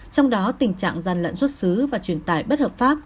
trong đó tình trạng gian lận xuất xứ và truyền tải bất hợp pháp